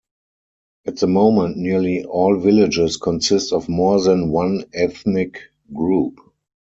At the moment nearly all villages consist of more than one ethnic group.